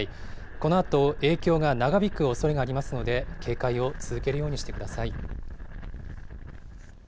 このあと影響が長引くおそれがありますので、警戒を続けるようにしてください。